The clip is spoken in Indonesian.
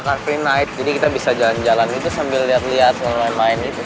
car free night jadi kita bisa jalan jalan itu sambil lihat lihat main itu